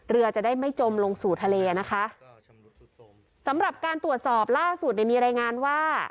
เรือจะได้ไม่จมลงสู่ทะเลนะคะสำหรับการตรวจสอบล่าสุดเนี่ยมีรายงานว่า